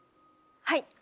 はい。